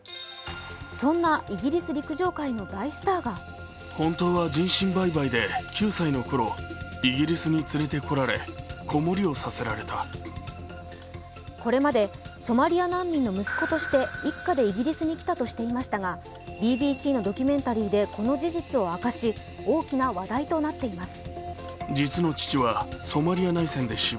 そんなイギリス陸上界の大スターがこれまでソマリア難民の息子として一家でイギリスに来たと明かしましたがＢＢＣのドキュメンタリーでこの事実を明かし大きな話題となっています。